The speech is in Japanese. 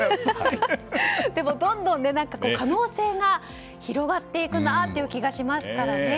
でもどんどん可能性が広がっていくなという気がしますからね。